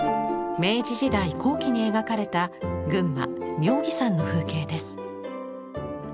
明治時代後期に描かれた群馬・妙義山の風景です。